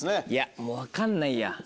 いやもう分かんないや。